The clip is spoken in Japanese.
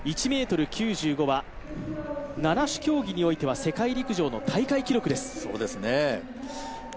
１ｍ９５は七種競技においては世界陸上の大会記録です。